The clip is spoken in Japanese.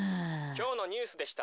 「きょうのニュースでした」。